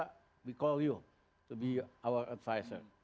kita memanggil anda sebagai pengasas kita